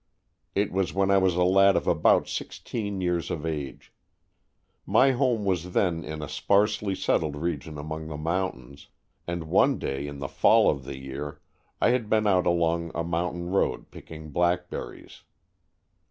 It was when I was a lad of about sixteen years of age. My home was then in a sparsely settled region among the mountains, and one day in the fall of the year I had been out along a mountain road picking blackberries.